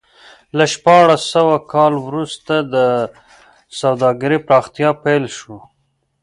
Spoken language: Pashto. له شپاړس سوه کال وروسته د سوداګرۍ پراختیا پیل شو.